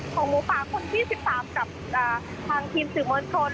ของมูปลาคนที่สิบสามกับทางทีมสื่อมนตรน